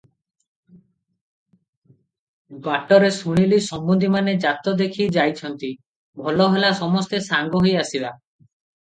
ବାଟରେ ଶୁଣିଲି ସମୁନ୍ଧିମାନେ ଯାତ ଦେଖି ଯାଇଛନ୍ତି, ଭଲ ହେଲା, ସମସ୍ତେ ସାଙ୍ଗ ହୋଇ ଆସିବା ।